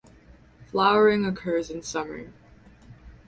Flowering occurs in summer.